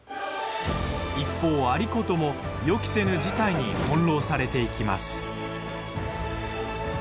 一方、有功も、予期せぬ事態に翻弄されていきます。